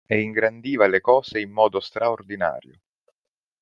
E ingrandiva le cose in modo straordinario.